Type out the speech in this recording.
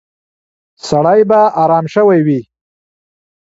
سړی به ارام شوی وي.